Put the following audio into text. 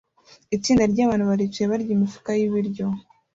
Itsinda ryabantu baricaye barya imifuka yibiryo